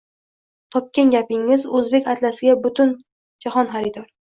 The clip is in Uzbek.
Topgan gapingiz — o‘zbek atlasiga butun jahon xaridor